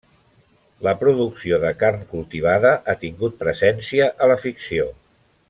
La producció de carn cultivada ha tingut presència a la ficció.